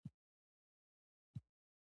خو په ټوله کې دوه خبرې د اخیستنې وړ دي.